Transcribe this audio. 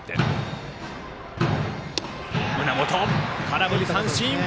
空振り三振！